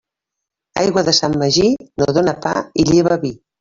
Aigua de Sant Magí no dóna pa i lleva vi.